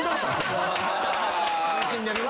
楽しんでるな。